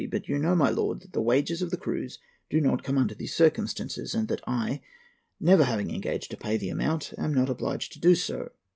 But you know, my lord, that the wages of the crews do not come under these circumstances, and that I, never having engaged to pay the amount, am not obliged to do so.